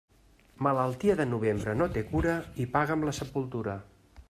Malaltia de novembre no té cura i paga amb la sepultura.